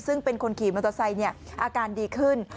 ซึ่งเป็นคนขี่มอเตอร์ไซค์อาการดีขึ้น